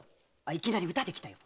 いきなり歌できたよ！